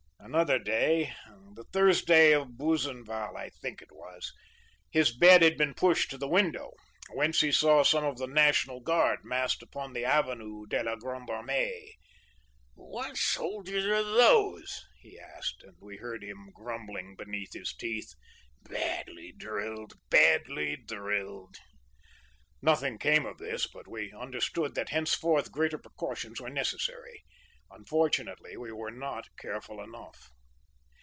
Another day (the Thursday of Buzenval, I think it was) his bed had been pushed to the window, whence he saw some of the National Guard massed upon the Avenue de la Grande Armée."'What soldiers are those?' he asked, and we heard him grumbling beneath his teeth:—"'Badly drilled, badly drilled.'"Nothing came of this, but we understood that henceforth greater precautions were necessary. Unfortunately, we were not careful enough.